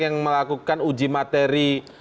yang melakukan uji materi